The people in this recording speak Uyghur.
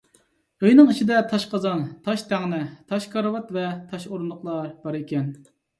ئۆينىڭ ئىچىدە تاش قازان، تاش تەڭنە، تاش كارىۋات ۋە تاش ئورۇندۇقلار بار ئىكەن.